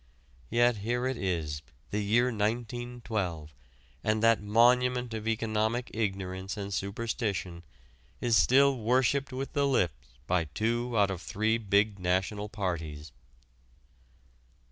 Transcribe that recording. Yet here it is the year 1912 and that monument of economic ignorance and superstition is still worshiped with the lips by two out of the three big national parties.